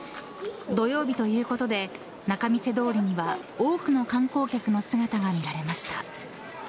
土曜日ということで仲見世通りには多くの観光客の姿が見られました。